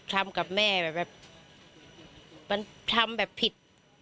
ทำกับแม่แบบมันทำแบบผิด